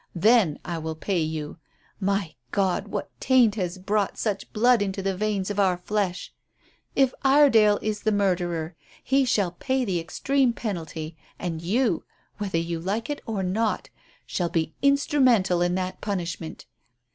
Then I will pay you. My God, what taint has brought such blood into the veins of our flesh? If Iredale is the murderer he shall pay the extreme penalty, and you whether you like it or not shall be instrumental in that punishment.